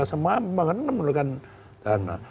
semua memang menurunkan dana